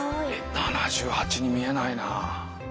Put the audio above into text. ７８に見えないな。